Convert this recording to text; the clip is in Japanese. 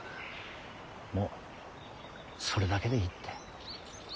もうそれだけでいいって。